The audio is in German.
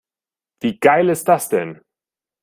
Wie geil ist das denn?